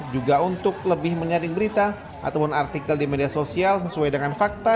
juga untuk lebih menyaring berita ataupun artikel di media sosial sesuai dengan fakta